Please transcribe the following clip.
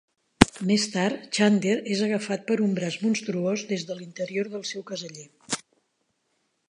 Més tard, Xander és agafat per un braç monstruós des de l'interior del seu caseller.